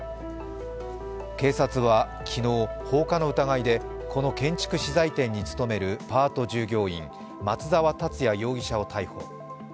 警察は昨日、放火の疑いでこの建築資材店に勤めるパート従業員、松沢達也容疑者を逮捕。